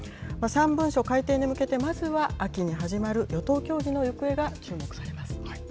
３文書改定に向けて、まずは秋に始まる与党協議の行方が注目されます。